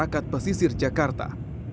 dan juga kemampuan pesisir jakarta